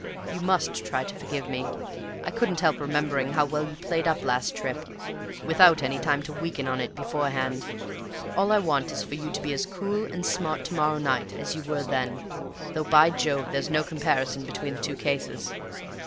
You must try to forgive me. I couldn't help remembering how well you played up last trip, without any time to weaken on it beforehand. All I want is for you to be as cool and smart to morrow night as you were then; though, by Jove, there's no comparison between the two cases!"